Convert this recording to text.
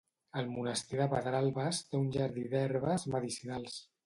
El monestir de Pedralbes té un jardí d'herbes medicinals.